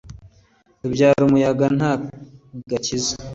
tubyara umuyaga nta gakiza